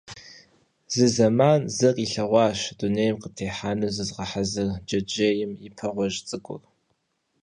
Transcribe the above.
Зы зэман зэ къилъэгъуащ дунейм къытехьэну зызыгъэхьэзыр джэджьейм и пэ гъуэжь цӀыкӀур.